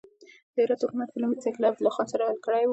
د هرات حکومت په لومړي سر کې د عبدالله خان هرکلی وکړ.